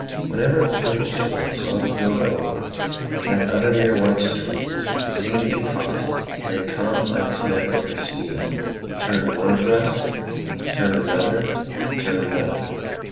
Whenever Turnbull's sword sought to go over that other mere white streak it seemed to be caught in a complex network of steel. He turned one thrust, turned another, turned another.